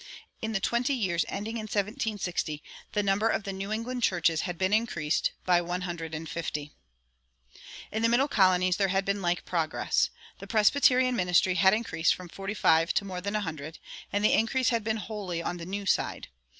In the twenty years ending in 1760 the number of the New England churches had been increased by one hundred and fifty.[172:1] In the middle colonies there had been like progress. The Presbyterian ministry had increased from forty five to more than a hundred; and the increase had been wholly on the "New Side."